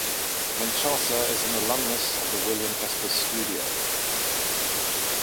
Menchaca is an alumnus of the William Esper Studio.